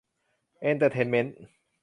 เอนเตอร์เทนเม้นท์